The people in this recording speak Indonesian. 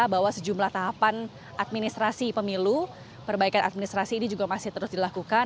bahwa sejumlah tahapan administrasi pemilu perbaikan administrasi ini juga masih terus dilakukan